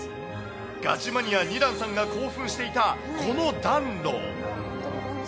ガチマニア２段さんが興奮していたこの暖炉。